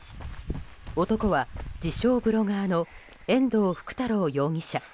男は自称ブロガーの遠藤福太郎容疑者。